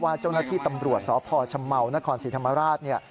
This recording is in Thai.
ว่าเจ้าหน้าที่ตำรวจสพชนศรีธรรมราช